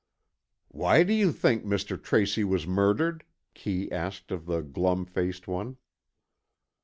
"Why do you think Mr. Tracy was murdered?" Kee asked of the glum faced one.